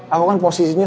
aku kan posisinya